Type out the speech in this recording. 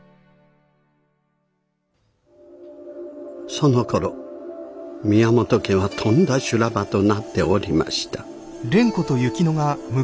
そのころ宮本家はとんだ修羅場となっておりました。